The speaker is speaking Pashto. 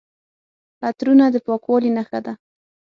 عطرونه د پاکوالي نښه ده.